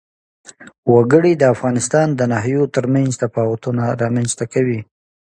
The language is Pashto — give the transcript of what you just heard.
وګړي د افغانستان د ناحیو ترمنځ تفاوتونه رامنځ ته کوي.